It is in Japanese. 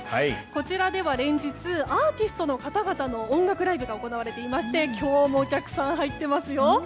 こちらでは連日アーティストの方々の行われていまして今日もお客さん入ってますよ。